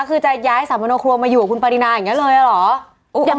คือจะย้ายสามโนครัวมาอยู่กับคุณปรินาอย่างนี้เลยเหรอ